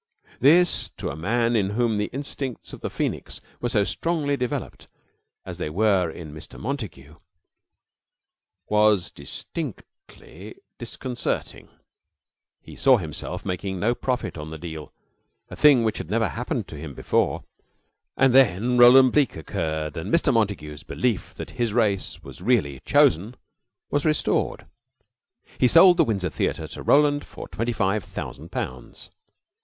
This, to a man in whom the instincts of the phoenix were so strongly developed as they were in Mr. Montague, was distinctly disconcerting. He saw himself making no profit on the deal a thing which had never happened to him before. And then Roland Bleke occurred, and Mr. Montague's belief that his race was really chosen was restored. He sold the Windsor Theater to Roland for twenty five thousand pounds.